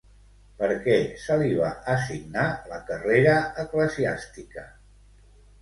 Per què se li va assignar la carrera eclesiàstica?